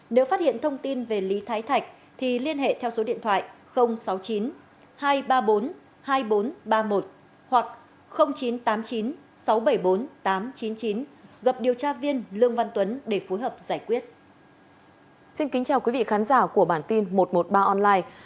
nếu phát hiện thông tin về lý thái thạch thì liên hệ theo số điện thoại sáu mươi chín hai trăm ba mươi bốn hai nghìn bốn trăm ba mươi một